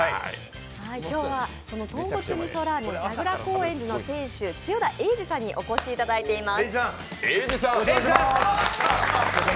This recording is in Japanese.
今日はその豚骨味噌ラーメンじゃぐら高円寺さんの店主・千代田英司さんにお越しいただいています。